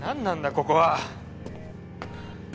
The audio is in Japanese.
ここは。